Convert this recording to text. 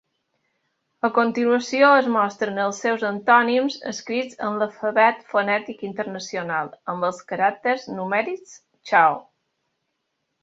A continuació es mostren els seus antònims escrits en l'Alfabet Fonètic Internacional amb els caràcters numèrics Chao.